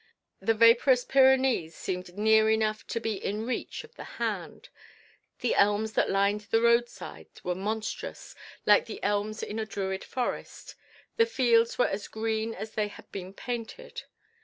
The vaporous Pyrenees seemed near enough to be in reach of the hand, the elms that lined the roadside were monstrous, like the elms in a Druid forest, the fields were as green as had they been painted.